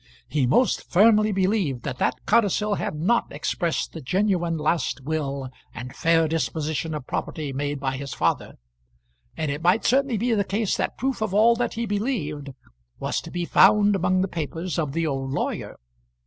He most firmly believed that that codicil had not expressed the genuine last will and fair disposition of property made by his father, and it might certainly be the case that proof of all that he believed was to be found among the papers of the old lawyer.